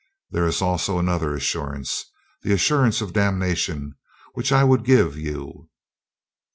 There is also another assurance, the assurance of damnation, which I would give you."